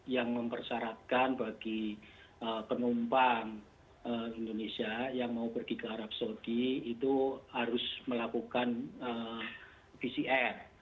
yang mempersyaratkan bagi penumpang indonesia yang mau pergi ke arab saudi itu harus melakukan pcr